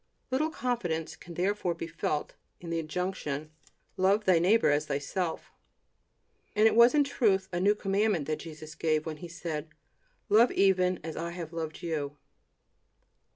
Little confidence can therefore be felt in the injunction: "Love thy neighbor as thyself." And it was in truth a new commandment that Jesus gave, when He said: "Love even as I have loved you."